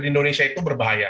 di indonesia itu berbahaya